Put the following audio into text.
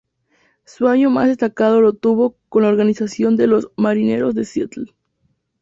Su año más destacado lo tuvo con la organización de los Marineros de Seattle.